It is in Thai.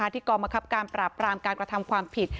ที่กรอบกับการปรับรามการกระทำความผิด